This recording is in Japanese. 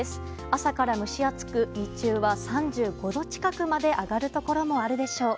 朝から蒸し暑く日中は３５度近くまで上がるところもあるでしょう。